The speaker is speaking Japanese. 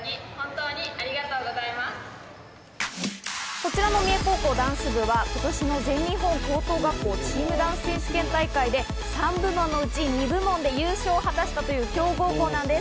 こちらの三重高校ダンス部は今年も全日本高等学校チームダンス選手権大会で３部門のうち２部門で優勝を果たしたという強豪高校なのです。